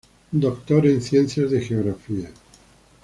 Doctor en Ciencias de Geografía.